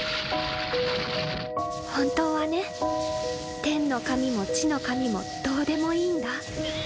本当はね天の神も地の神もどうでもいいんだ。